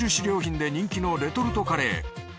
良品で人気のレトルトカレー。